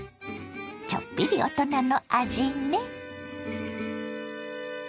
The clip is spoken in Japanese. ちょっぴり大人の味ね。